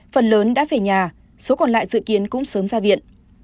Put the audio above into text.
phần lớn đã về nhà số còn lại dự kiến cũng sớm ra viện